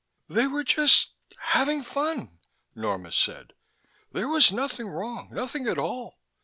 "They were just having fun," Norma said. "There was nothing wrong, nothing at all.